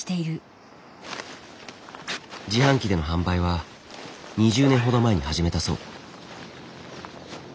自販機での販売は２０年ほど前に始めたそう。